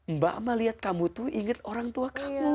mbak ma lihat kamu tuh inget orang tua kamu